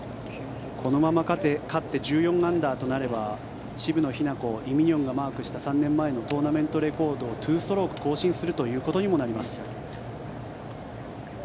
このまま勝って１４アンダーとなれば渋野日向子、イ・ミニョンがマークした３年前のトーナメントレコードを２ストローク更新するということにもなります。